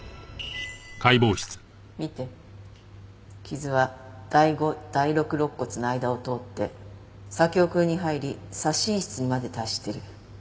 傷は第５第６肋骨の間を通って左胸腔に入り左心室にまで達してる。